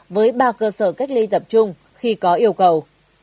với ba cơ sở cách ly tập trung khi có yêu cầu